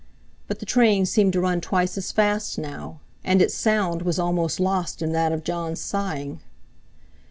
But the train seemed to run twice as fast now, and its sound was almost lost in that of Jon's sighing.